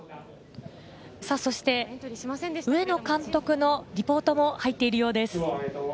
上野監督のリポートも入っているようです。